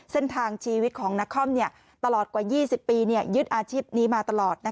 เส้นทางชีวิตของนครตลอดกว่า๒๐ปียึดอาชีพนี้มาตลอด